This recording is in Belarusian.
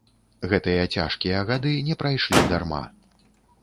Гэтыя цяжкія гады не прайшлі дарма!